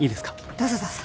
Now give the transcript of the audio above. どうぞどうぞ。